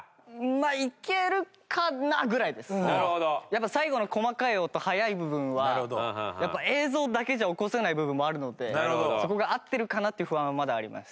やっぱ最後の細かい音速い部分はやっぱ映像だけじゃ起こせない部分もあるのでそこが合ってるかなって不安はまだあります。